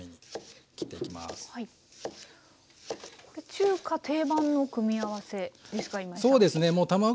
これ中華定番の組み合わせですか？